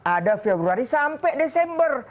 ada februari sampai desember